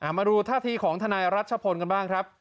มาดูท่าทีของทนายรัชพลกันบ้างครับ